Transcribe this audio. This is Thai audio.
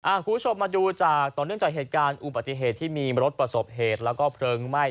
คุณผู้ชมมาดูจากต่อเนื่องจากเหตุการณ์อุบัติเหตุที่มีรถประสบเหตุแล้วก็เพลิงไหม้